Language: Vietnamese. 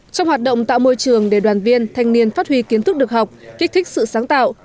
trong hoạt động tạo môi trường để đoàn viên thanh niên phát huy kiến thức được học kích thích sự sáng tạo